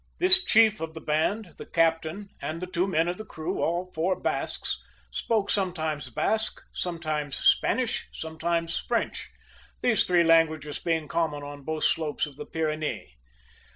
This chief of the band, the captain and the two men of the crew, all four Basques, spoke sometimes Basque, sometimes Spanish, sometimes French these three languages being common on both slopes of the Pyrenees.